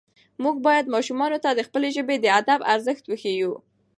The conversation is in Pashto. موږ باید ماشومانو ته د خپلې ژبې د ادب ارزښت وښیو